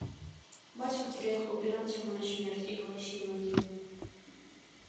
Бацька прыехаў убіраць яго на смерць і галасіў над ім.